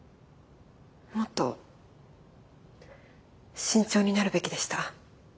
もっと慎重になるべきでした。